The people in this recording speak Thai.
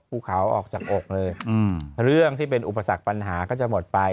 ภูเขาออกจากอกเลยเรื่องที่เป็นอุปสรรคปัญหาก็จะหมดไป